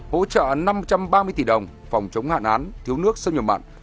hỗ trợ năm trăm ba mươi tỷ đồng phòng chống hạn hán thiếu nước xâm nhập mặn